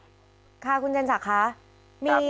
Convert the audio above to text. ใช่วันนี้จะกัดสัมความสุดในประเทศที่นี่ครับ